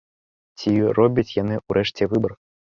Ці робяць яны ўрэшце выбар?